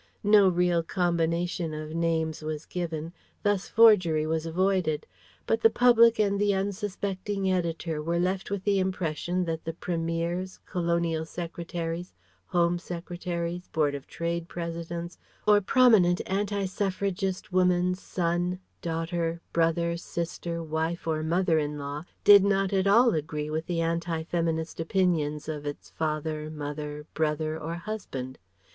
No real combination of names was given, thus forgery was avoided; but the public and the unsuspecting Editor were left with the impression that the Premier's, Colonial Secretary's, Home Secretary's, Board of Trade President's, or prominent anti suffragist woman's son, daughter, brother, sister, wife or mother in law did not at all agree with the anti feminist opinions of its father, mother, brother or husband.